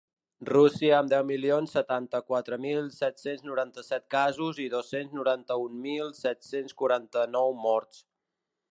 Rússia, amb deu milions setanta-quatre mil set-cents noranta-set casos i dos-cents noranta-un mil set-cents quaranta-nou morts.